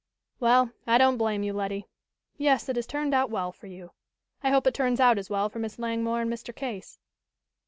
"Well, I don't blame you, Letty. Yes, it has turned out well for you. I hope it turns out as well for Miss Langmore and Mr. Case."